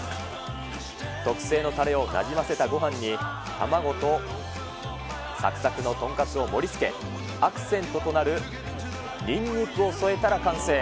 特製のたれをなじませたごはんに、卵とさくさくの豚カツを盛りつけ、アクセントとなるニンニクを添えたら完成。